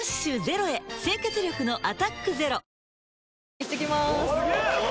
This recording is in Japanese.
行ってきまーす！